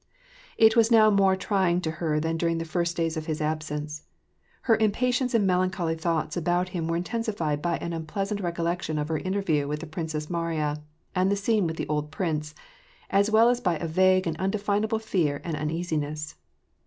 It was now more trying to her than during the first days of his absence. Her impatience and melancholy thoughts about him were intensified by an unpleasant recollection of her interview with the Princess Mariya and the scene with the old prince^ as well as by a vague and undefinable fear and uneasi ness.